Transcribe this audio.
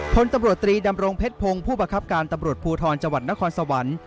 พลตำรวจตรีดำรงเพชรพงศ์ผู้บังคับการตำรวจภูทรจังหวัดนครสวรรค์